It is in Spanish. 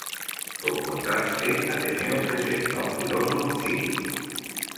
Como contraste, Ateneo presenta a un filósofo cínico.